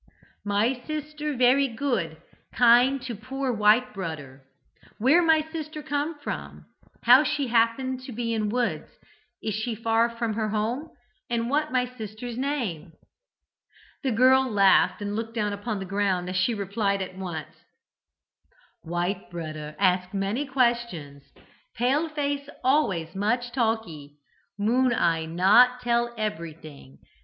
"'My sister very good; kind to poor white broder. Where my sister come from? How she happen to be in woods? Is she far from her home? And what my sister's name?' "The girl laughed, and looked down upon the ground as she replied at once: "'White broder ask many questions. Pale face always much talkee. Moon eye not tell eberything.